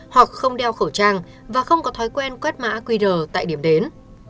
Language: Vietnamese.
hoặc không đeo khẩu trang và không có thói quen quét mã qr tại điểm đến